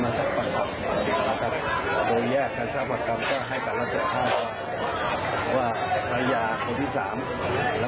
ไม่พอใจนะจากเห็นพี่ตายเนี่ย